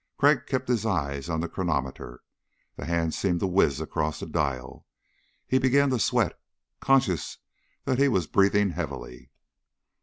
Crag kept his eyes on the chronometer. The hand seemed to whiz across the dial. He began to sweat, conscious that he was breathing heavily.